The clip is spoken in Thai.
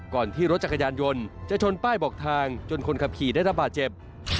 ที่รถจักรยานยนต์จะชนป้ายบอกทางจนคนขับขี่ได้ระบาดเจ็บ